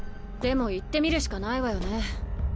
でも行ってみるしかないわよね。